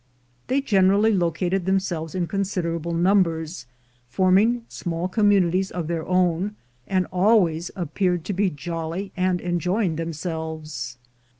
They generally located themselves in considerable numbers, forming small communities of their own, and always appeared to be jolly, and enjoying themselves.